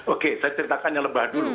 oke saya ceritakan yang lebah dulu